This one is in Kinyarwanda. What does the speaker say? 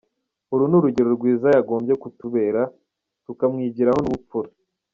Uru ni urugero rwiza yagombwe kutubera, tukamwigiraho n’ubupfura».